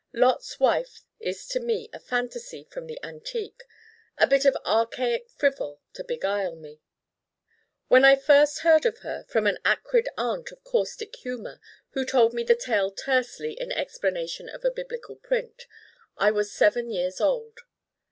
Lot's Wife is to me a fantasy from the antique, a bit of archaic frivol to beguile me. When first I heard of her, from an acrid aunt of caustic humor who told me the tale tersely in explanation of a biblical print, I was seven years old.